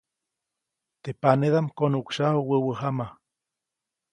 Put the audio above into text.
Teʼ panedaʼm konuʼksyaju wäwä jama.